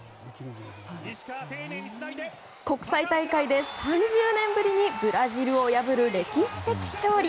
国際大会で３０年ぶりにブラジルを破る歴史的勝利。